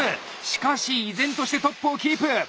しかし依然としてトップをキープ。